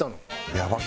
「やばっ！